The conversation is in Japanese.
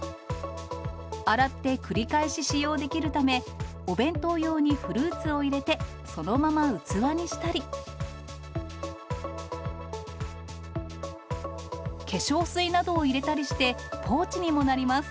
洗って繰り返し使用できるため、お弁当用にフルーツを入れて、そのまま器にしたり、化粧水などを入れたりして、ポーチにもなります。